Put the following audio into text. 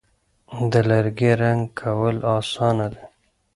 د لرګي رنګ کول آسانه دي.